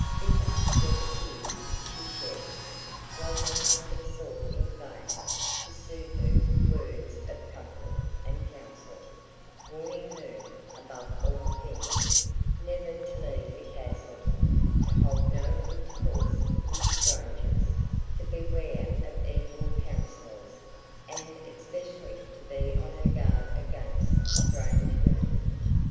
Bitter were the tears she shed, while her husband sought in vain to soothe her with words of comfort and counsel, warning her, above all things, never to leave the castle, to hold no intercourse with strangers, to beware of evil counsellors, and especially to be on her guard against strange women.